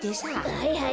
はいはい。